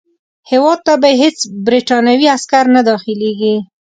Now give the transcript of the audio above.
هیواد ته به یې هیڅ برټانوي عسکر نه داخلیږي.